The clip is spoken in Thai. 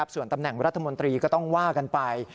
ส่วนตำแหน่งรัฐมนตรีก็ต้องว่ากันไป